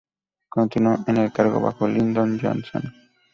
Continuó en el cargo bajo Lyndon Johnson.